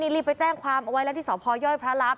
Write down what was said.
รีบไปแจ้งความโวไลน์ที่สพยพระรับ